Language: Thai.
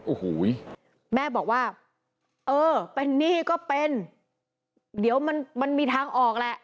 โอ้โหแม่บอกว่าเออเป็นหนี้ก็เป็นเดี๋ยวมันมันมีทางออกแหละ